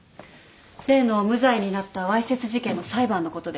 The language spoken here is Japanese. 例の無罪になったわいせつ事件の裁判のことで。